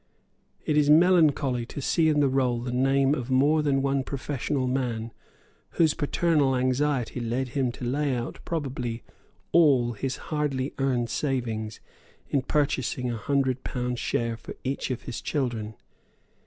It is melancholy to see in the roll the name of more than one professional man whose paternal anxiety led him to lay out probably all his hardly earned savings in purchasing a hundred pound share for each of his children.